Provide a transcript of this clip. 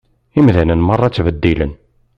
Imdanen meṛṛa ttbeddilen.